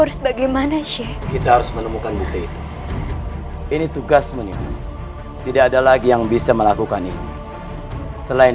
harus bagaimana sih kita harus menemukan bukti itu ini tugas menipis tidak ada lagi yang bisa melakukan ini selain